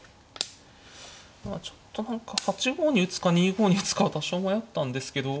ちょっと何か８五に打つか２五に打つかは多少迷ったんですけど。